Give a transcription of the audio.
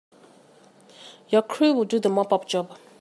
Your crew will do the mop up job.